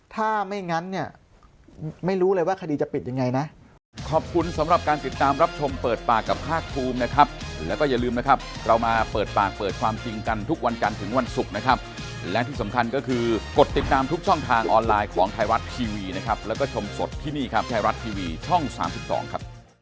ถ้าไม่งั้นเนี่ยไม่รู้เลยว่าคดีจะปิดยังไงนะ